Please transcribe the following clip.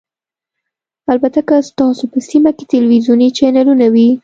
البته که ستاسو په سیمه کې تلویزیوني چینلونه وي